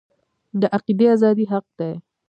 د عقیدې ازادي حق دی